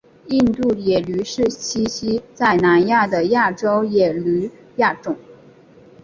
印度野驴是栖息在南亚的亚洲野驴亚种。